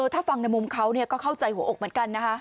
ถ้าฟังในมุมเขาก็เข้าใจหัวอกเหมือนกันนะคะ